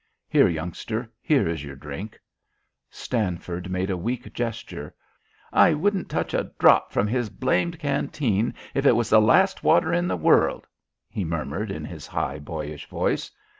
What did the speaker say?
"Here, youngster; here is your drink." Stanford made a weak gesture. "I wouldn't touch a drop from his blamed canteen if it was the last water in the world," he murmured in his high, boyish voice.